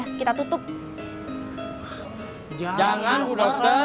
tapi kalau kita kembali ke tempat lain